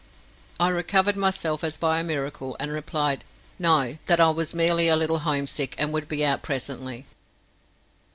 I recovered myself as by a miracle, and replied, no; that I was merely a little homesick, and would be out presently.